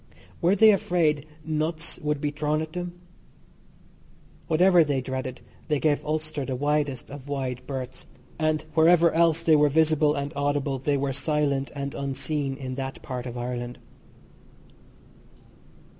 Were they afraid "nuts" would be thrown at them? Whatever they dreaded, they gave Ulster the widest of wide berths, and wherever else they were visible and audible, they were silent and unseen in that part of Ireland.